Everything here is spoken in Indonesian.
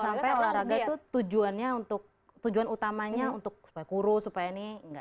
sampai olahraga itu tujuannya untuk tujuan utamanya untuk supaya kurus supaya ini nggak